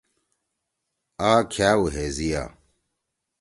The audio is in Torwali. آ کھأو ہیزیا۔